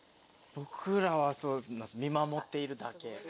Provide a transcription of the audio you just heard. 僕らは見守っているだけ。